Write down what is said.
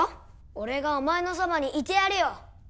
俺がお前のそばにいてやるよ